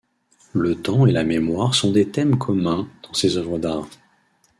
Le temps et la mémoire sont des thèmes communs dans ses œuvres d'art.